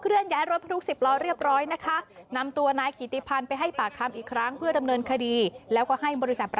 เหนียวไก่เป็นเหตุ